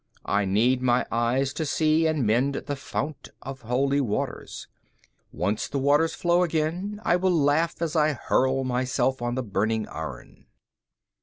I need my eyes to see and mend the Fount of Holy Waters. Once the waters flow again, I will laugh as I hurl myself on the burning iron."